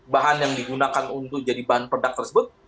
bahan yang digunakan untuk jadi bahan produk tersebut